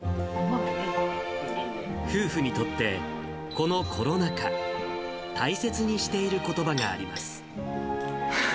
夫婦にとって、このコロナ禍、大切にしていることばがあります。